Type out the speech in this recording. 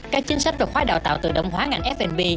các chính sách và khóa đào tạo tự động hóa ngành f b